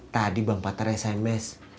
tadi bang patar sms